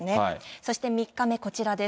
そして３日目、こちらです。